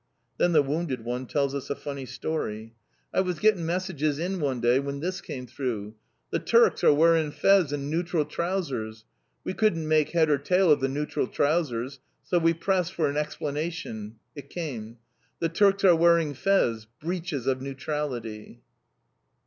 Then the wounded one tells us a funny story. "I was getting messages in one day when this came through: 'The Turks are wearing fez and neutral trousers!' We couldn't make head or tail of the neutral trousers! So we pressed for an explanation. It came. '_The Turks are wearing fez, breaches of neutrality!'